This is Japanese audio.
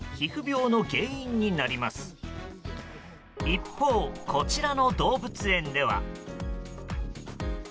一方、こちらの動物園では。